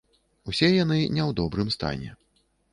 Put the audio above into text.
Усе яны не ў добрым стане.